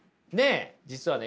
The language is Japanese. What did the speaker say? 実はね